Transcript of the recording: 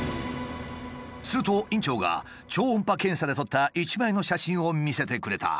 すると院長が超音波検査で撮った一枚の写真を見せてくれた。